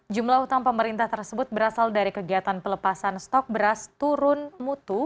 jumlah utang pemerintah tersebut berasal dari kegiatan pelepasan stok beras turun mutu